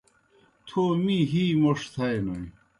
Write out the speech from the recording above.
تھو می ہِی موْݜ تھائینوئے۔